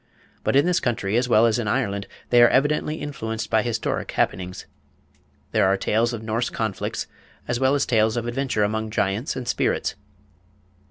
But in this country, as well as in Ireland, they are evidently influenced by historic happenings. There are tales of Norse conflicts, as well as tales of adventure among giants and spirits.